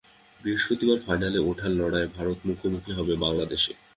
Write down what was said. বৃহস্পতিবার ফাইনালে ওঠার লড়াইয়ে ভারত মুখোমুখি হবে বাংলাদেশের।